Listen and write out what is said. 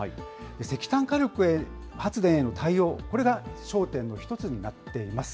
石炭火力発電への対応、これが焦点の一つになっています。